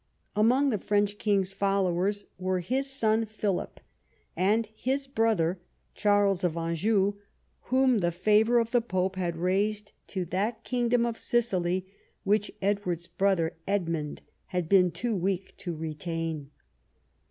Among the French king's followers were his son Philip, and his brother Charles of Anjou, whom the favour of the pope had raised to that kingdom of Sicily, which Edward's brother Edmund had been too weak to re tain.